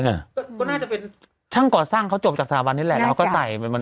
อ่ะก็น่าจะเป็นช่างก่อสร้างเขาจบจากสถาบันนี้แหละแล้วเขาก็ใส่เหมือนมัน